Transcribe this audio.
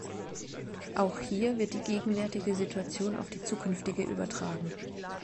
Auch hier wird die gegenwärtige Situation auf die zukünftige übertragen.